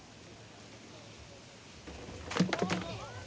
สวัสดีครับ